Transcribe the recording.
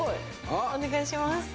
お願いします。